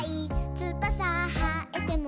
「つばさはえても」